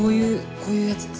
こういうやつで。